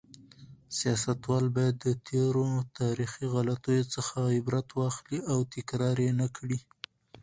سیاستوال باید د تېرو تاریخي غلطیو څخه عبرت واخلي او تکرار یې نکړي.